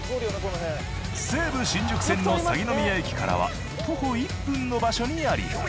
西武新宿線の鷺ノ宮駅からは徒歩１分の場所にあります。